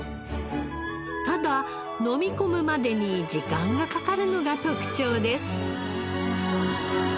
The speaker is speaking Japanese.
ただのみ込むまでに時間がかかるのが特徴です。